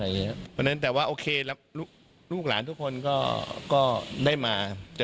เพราะฉะนั้นแต่ว่าโอเคแล้วลูกหลานทุกคนก็ได้มา